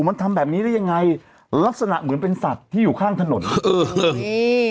มันทำแบบนี้ได้ยังไงลักษณะเหมือนเป็นสัตว์ที่อยู่ข้างถนนเออนี่